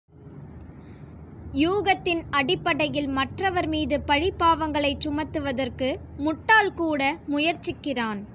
யூகத்தின் அடிப்படையில் மற்றவர் மீது பழி பாவங்களைச் சுமத்துவதற்கு முட்டாள்கூட முயற்சிக்கிறான்.